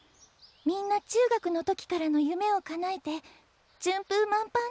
みんな中学の時からの夢をかなえて順風満帆って感じで。